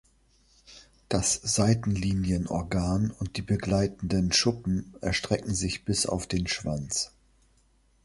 Das Seitenlinienorgan und die begleitenden Schuppen erstrecken sich bis auf den Schwanz.